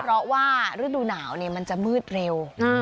เพราะว่าฤดูหนาวมันจะมืดเร็ว